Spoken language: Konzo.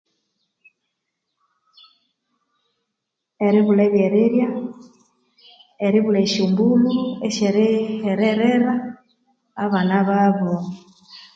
Eribulha ebyerirya eribulha esyo mbulhu esyerihererera abana babo